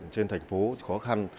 trên thành phố khó khăn